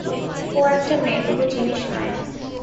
ও একটা মেয়ে, কোনো জিনিস নয়।